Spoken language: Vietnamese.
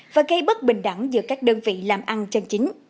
và gây bất bình đẳng giữa các đơn vị làm ăn chân chính